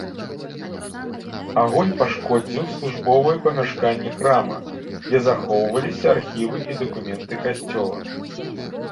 Агонь пашкодзіў службовыя памяшканні храма, дзе захоўваліся архівы і дакументы касцёла.